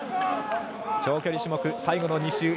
長距離種目最後の２周。